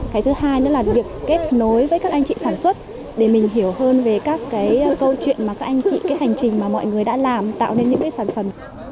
cái thứ hai nữa là việc kết nối với các anh chị sản xuất để mình hiểu hơn về các cái câu chuyện mà các anh chị cái hành trình mà mọi người đã làm tạo nên những cái sản phẩm